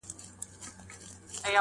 دوی د رټلو او غندلو وړ دي